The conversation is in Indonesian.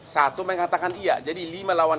satu mengatakan iya jadi lima lawan